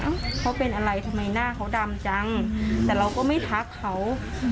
เขาเป็นอะไรทำไมหน้าเขาดำจังแต่เราก็ไม่ทักเขา